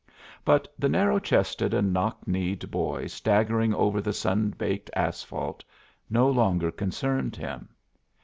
But the narrow chested and knock kneed boy staggering over the sun baked asphalt no longer concerned him.